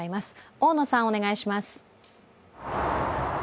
大野さん、お願いします。